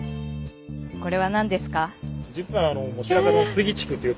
これは何ですか？